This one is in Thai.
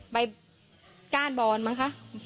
ก้านบอนมั้งคะ